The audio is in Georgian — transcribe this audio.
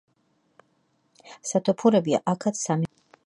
სათოფურები აქაც სამი მხრიდან არის მოწყობილი.